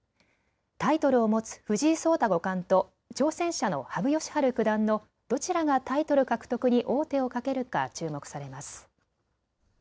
タイトルを持つ藤井聡太五冠と挑戦者の羽生善治九段のどちらがタイトル獲得に王手をかけるか注目されます。